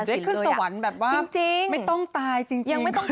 นี่คือเหมือนได้ขึ้นสวรรค์แบบว่าไม่ต้องตายจริง